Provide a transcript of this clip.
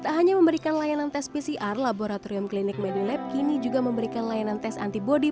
tak hanya memberikan layanan tes pcr laboratorium klinik medilab kini juga memberikan layanan tes antibody